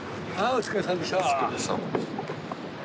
お疲れさまでした。